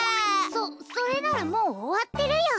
そそれならもうおわってるよ。